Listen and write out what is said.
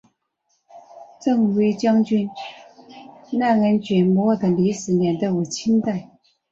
振威将军赖恩爵墓的历史年代为清代。